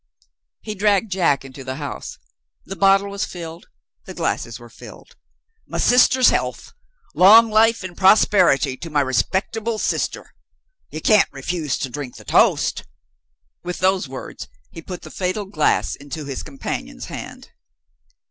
He dragged Jack into the house. The bottle was filled; the glasses were filled. "My sister's health! Long life and prosperity to my respectable sister! You can't refuse to drink the toast." With those words, he put the fatal glass into his companion's hand.